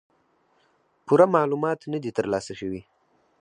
پوره معلومات نۀ دي تر لاسه شوي